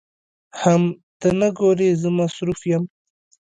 حم ته نه ګورې زه مصروف يم.